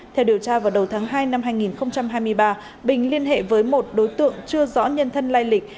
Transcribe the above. theo điều tra vào đầu tháng hai năm hai nghìn hai mươi ba bình liên hệ với một đối tượng chưa rõ nhân thân lai lịch